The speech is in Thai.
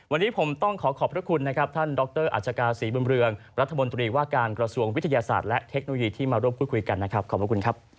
วันนี้ผมต้องขอขอบพระคุณนะครับท่านดรอัชกาศรีบุญเรืองรัฐมนตรีว่าการกระทรวงวิทยาศาสตร์และเทคโนโลยีที่มาร่วมพูดคุยกันนะครับขอบคุณครับ